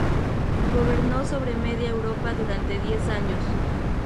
Gobernó sobre media Europa durante diez años.